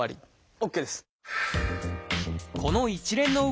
ＯＫです。